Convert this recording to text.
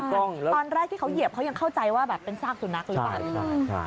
ตอนแรกที่เขาเหยียบเขายังเข้าใจว่าแบบเป็นซากสุนัขหรือเปล่า